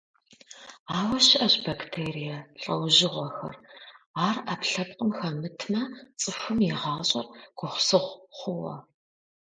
Ауэ щыӏэщ бактерие лӏэужьыгъуэхэр, ар ӏэпкълъэпкъым хэмытмэ цӏыхум и гъащӏэр гугъусыгъу хъууэ.